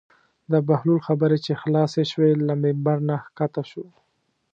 د بهلول خبرې چې خلاصې شوې له ممبر نه کښته شو.